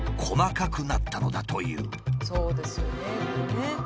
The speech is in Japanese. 細かくなったのだという。